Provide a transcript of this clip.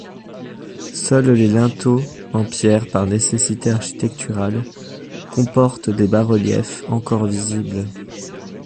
Seuls les linteaux, en pierre par nécessité architecturale, comportent des bas-reliefs encore visibles.